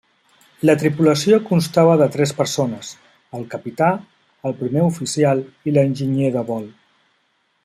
La tripulació constava de tres persones: el capità, el primer oficial i l'enginyer de vol.